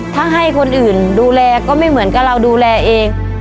ถ้าให้คนอื่นดูแลก็ไม่เหมือนกับเราดูแลเอง